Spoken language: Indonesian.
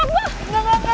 gua gak apa apa